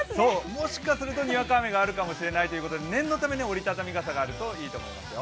もしかするとにわか雨があるかもしれないということで念のため折り畳み傘があるといいと思いますよ。